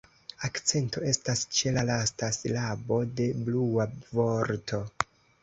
Akcento estas ĉe la lasta silabo de "Blua" vorto.